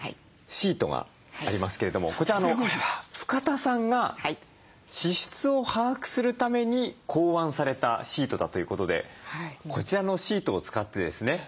シートがありますけれどもこちら深田さんが支出を把握するために考案されたシートだということでこちらのシートを使ってですね